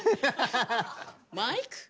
マイク？